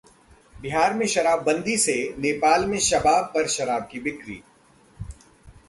बिहार में शराबबंदी से नेपाल में शबाब पर शराब की बिक्री